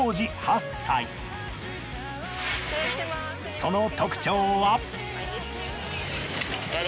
その特徴は。